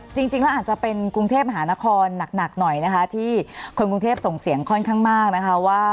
จริงแล้วอาจจะเป็นกรุงเทพมหานครหนักหน่อยนะคะที่คนกรุงเทพส่งเสียงค่อนข้างมากนะคะว่า